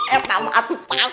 eh sama aku pasti agan